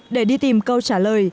để đi tìm câu trả lời